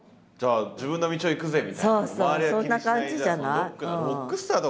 そうそうそんな感じじゃない？